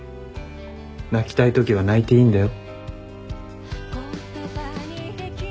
泣きたいときは泣いていいんだよ。